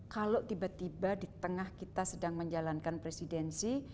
kalau tiba tiba di tengah kita sedang menjalankan presidensi